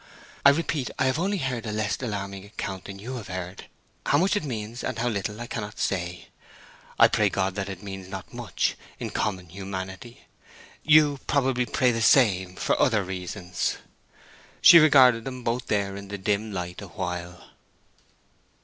"I repeat, I have only heard a less alarming account than you have heard; how much it means, and how little, I cannot say. I pray God that it means not much—in common humanity. You probably pray the same—for other reasons." She regarded them both there in the dim light a while.